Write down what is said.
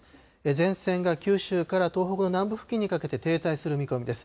前線が九州から東北の南部付近にかけて停滞する見込みです。